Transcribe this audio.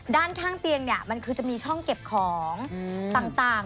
ด้านข้างเตียงเนี่ยมันคือจะมีช่องเก็บของต่าง